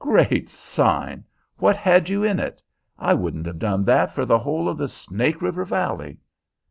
Great Sign! What had you in it? I wouldn't have done that for the whole of the Snake River valley."